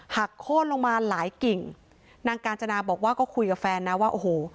โค้นลงมาหลายกิ่งนางกาญจนาบอกว่าก็คุยกับแฟนนะว่าโอ้โห